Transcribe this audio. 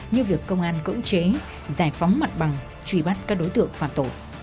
như việc công an cưỡng chế giải phóng mặt bằng truy bắt các đối tượng phạm tội